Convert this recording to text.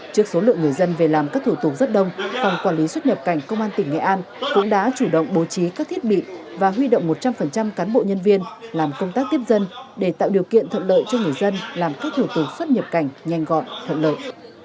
trước số lượng người dân về làm các thủ tục rất đông phòng quản lý xuất nhập cảnh công an tỉnh nghệ an cũng đã chủ động bố trí các thiết bị và huy động một trăm linh cán bộ nhân viên làm công tác tiếp dân để tạo điều kiện thuận lợi cho người dân làm các thủ tục xuất nhập cảnh nhanh gọn thuận lợi